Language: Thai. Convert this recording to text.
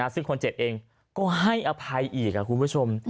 ซึ่งคนเจ็บเองก็ให้อภัยอีกคุณผู้ชม